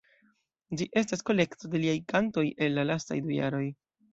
Ĝi estas kolekto de liaj kantoj el la lastaj du jaroj.